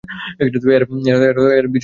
এর বীজ ফেব্রুয়ারি-মার্চের দিকে পাকে।